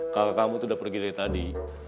kalau kamu tuh udah pergi dari tadi